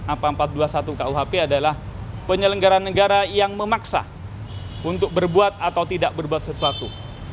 apa empat ratus dua puluh satu kuhp adalah penyelenggara negara yang memaksa untuk berbuat atau tidak berbuat sesuatu